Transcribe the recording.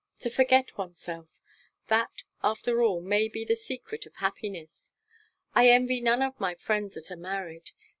To forget oneself! That, after all, may be the secret of happiness. I envy none of my friends that are married.